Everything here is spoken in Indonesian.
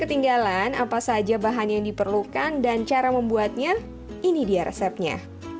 ketinggalan apa saja bahan yang diperlukan dan cara membuatnya ini dia resepnya